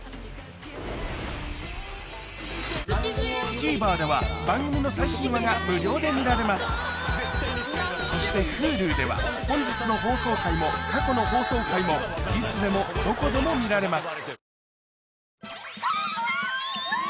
ＴＶｅｒでは番組の最新話が無料で見られますそしてＨｕｌｕでは本日の放送回も過去の放送回もいつでもどこでも見られます